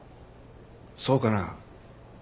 そうかな。